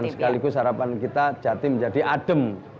dan sekaligus harapan kita jatim jadi adem